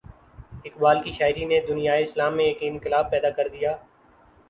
اقبال کی شاعری نے دنیائے اسلام میں ایک انقلاب پیدا کر دیا۔